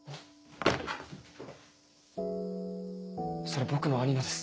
それ僕の兄のです。